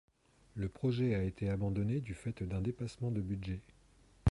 Le projet a été abandonné du fait d'un dépassement de budget.